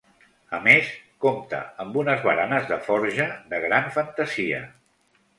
A més, compta amb unes baranes de forja de gran fantasia.